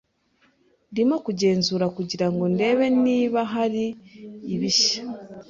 Ndimo kugenzura kugirango ndebe niba hari ibishya.